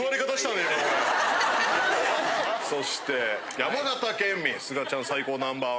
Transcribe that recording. そして山形県民すがちゃん最高Ｎｏ．１。